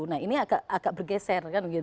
nah ini agak bergeser